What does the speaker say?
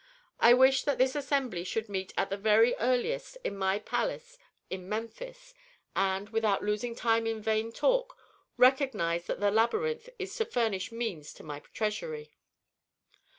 I wish that this assembly should meet at the very earliest in my palace in Memphis and, without losing time in vain talk, recognize that the labyrinth is to furnish means to my treasury."